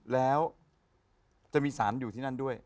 แล้วจะมีสารอยู่ที่นั่นด้วย